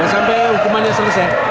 sampai hukumannya selesai